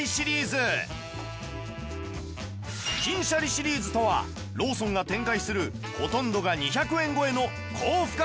金しゃりシリーズとはローソンが展開するほとんどが２００円超えの高付加価値おにぎり